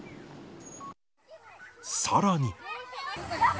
さらに。